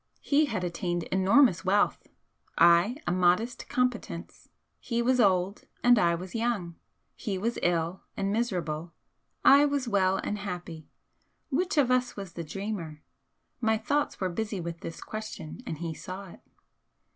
He had attained enormous wealth, I a modest competence, he was old and I was young, he was ill and miserable, I was well and happy, which of us was the 'dreamer'? My thoughts were busy with this question, and he saw it.